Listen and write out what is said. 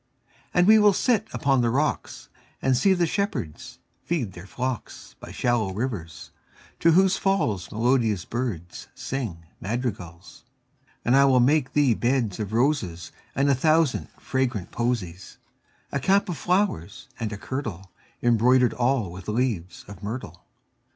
And we will sit upon the rocks, 5 And see the shepherds feed their flocks By shallow rivers, to whose falls Melodious birds sing madrigals. And I will make thee beds of roses And a thousand fragrant posies; 10 A cap of flowers, and a kirtle Embroider'd all with leaves of myrtle.